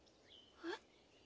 えっ？